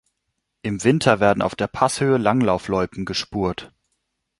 Im Winter werden auf der Passhöhe Langlaufloipen gespurt.